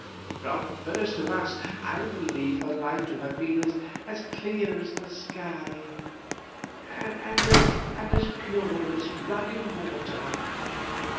From first to last I believe her life to have been as clear as the sky, and as pure as running water."